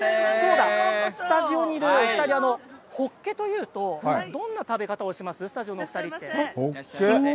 スタジオにいるお２人も、ほっけと言うとどんな食べ方をします。